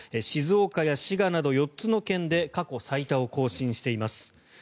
静岡や滋賀など４つの県で過去最多を更新しています。